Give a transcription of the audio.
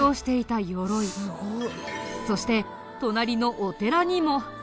そして隣のお寺にも。